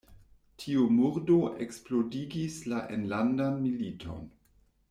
Tiu murdo eksplodigis la enlandan militon.